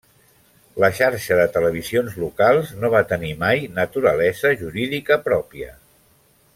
La Xarxa de Televisions Locals no va tenir mai naturalesa jurídica pròpia.